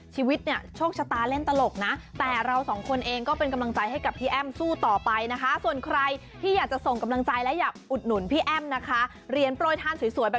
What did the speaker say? มีลูกเป็นกำลังใจก็โอเคแล้ว